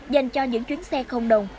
dành cho những chuyến xe không đồng